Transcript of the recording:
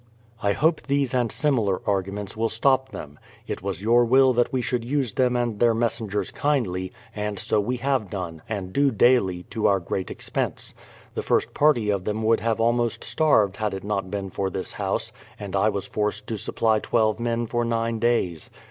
... I hope these and similar arguments will stop them. It was your will that we should use them and their messengers kindly, and so we have done, and do daily, to our great expense. The first party of them would have almost starved had it not been for this house, and I was forced to supply twelve men for nine days.